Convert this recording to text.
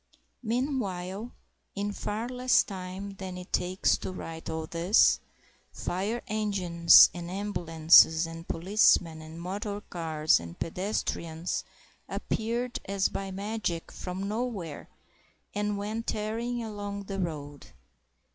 Meanwhile, in far less time than it takes to write all this, fire engines and ambulances, and policemen and motor cars and pedestrians appeared as by magic from nowhere and went tearing along the road.